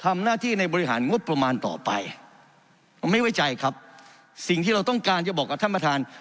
ไม่ไว้ใจครับสิ่งที่เราต้องการจะบอกกับท่านประธาน